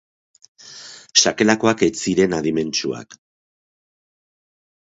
Sakelakoak ez ziren adimentsuak.